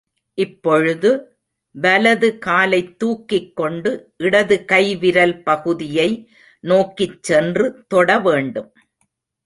இப்பொழுது, வலது காலைத் தூக்கிக் கொண்டு இடது கை விரல் பகுதியை நோக்கிச் சென்று தொட வேண்டும்.